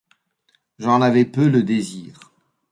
J'en avais peu le désir.